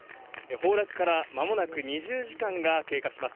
崩落から間もなく２０時間が経過します。